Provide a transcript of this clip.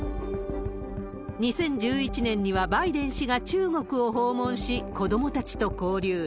２０１１年には、バイデン氏が中国を訪問し、子どもたちと交流。